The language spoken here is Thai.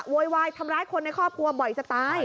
โวยวายทำร้ายคนในครอบครัวบ่อยจะตาย